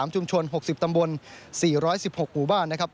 ๑๓ชุมชน๖๐ตำบล๔๑๖หมู่บ้าน